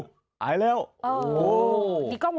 หายแล้วโอ้โฮ